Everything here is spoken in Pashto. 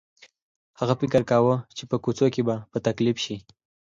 هغې فکر کاوه چې په کوڅو کې به تکليف شي.